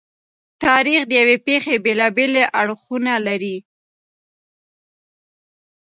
تاریخ د یوې پېښې بېلابېلې اړخونه لري.